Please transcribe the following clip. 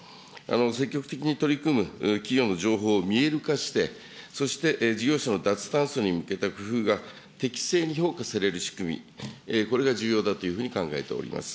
積極的に取り組む企業の情報を見える化して、そして事業者の脱炭素に向けた工夫が適正に評価される仕組み、これが重要だというふうに考えております。